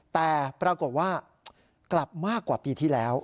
แต่ปรากฏว่ากลับมากกว่าปีที่แล้ว